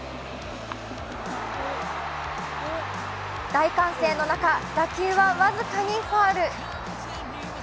大歓声の中、打球は僅かにファウル。